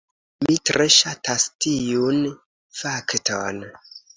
Mi tre ŝatas tiun fakton.